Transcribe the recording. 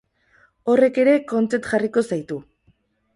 Horrek ere kontent jarriko zaitu...